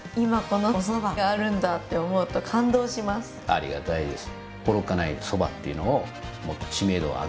ありがたいです。